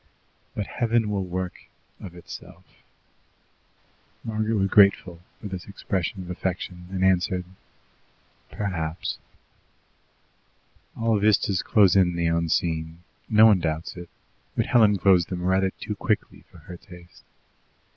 But Heaven will work of itself." Margaret was grateful for this expression of affection, and answered, "Perhaps." All vistas close in the unseen no one doubts it but Helen closed them rather too quickly for her taste.